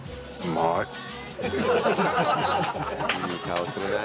「いい顔するなあ」